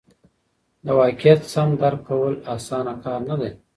د واقعیت سم درک کول اسانه کار نه دی.